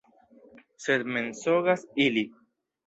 Sed mensogas ili!